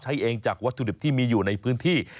ใช้เองจากวัตถุดิบที่มีอยู่ในพื้นที่